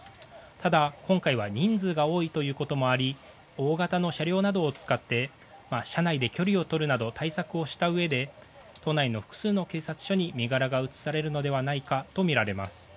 ただ、今回は人数が多いということもあり大型の車両などを使って車内で距離をとるなど対策をしたうえで都内の複数の警察署に身柄が移されるのではないかとみられます。